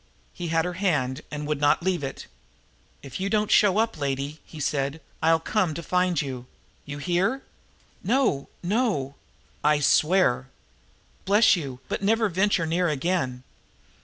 He had her hand and would not leave it. "If you don't show up, lady," he said, "I'll come to find you. You hear?" "No, no!" "I swear!" "Bless you, but never venture near again.